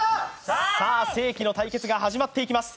世紀の対決が始まっていきます。